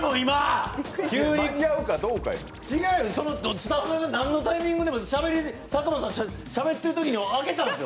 スタッフがなんのタイミングか佐久間さん、しゃべってるときに開けたんですよ。